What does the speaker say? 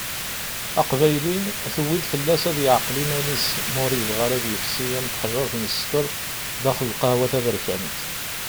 Aqbayli, tuwi-d fell-as ad yeɛqel iman-is ma ur yebɣi ara ad yefsi am teḥjurt n ssekker daxel lqahwa taberkant.